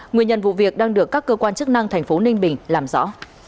nguyên nhân vụ việc đang được các cơ quan chức năng thành phố ninh bình làm rõ